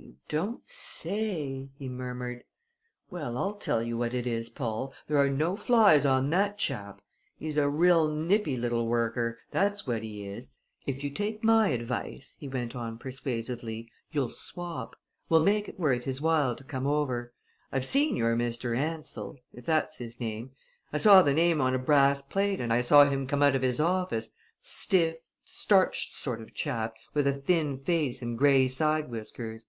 "You don't say!" he murmured. "Well, I'll tell you what it is, Paul, there are no flies on that chap! He's a real nippy little worker that's what he is! If you take my advice," he went on persuasively, "you'll swap. We'll make it worth his while to come over. I've seen your Mr. Ansell if that's his name. I saw the name on a brass plate and I saw him come out of his office stiff, starched sort of chap, with a thin face and gray side whiskers!"